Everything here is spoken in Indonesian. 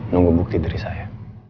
nunggu bukti dari saya